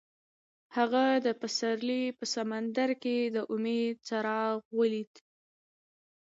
هغه د پسرلی په سمندر کې د امید څراغ ولید.